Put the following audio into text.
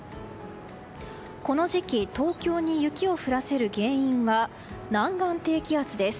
この時期東京に雪を降らせる原因は南岸低気圧です。